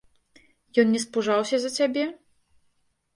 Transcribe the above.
Ён не спужаўся за цябе?